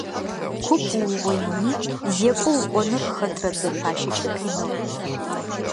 Куп уугъоини зекӀо укӀоныр хэтрэ дзэпащэкӀи къиныгъ.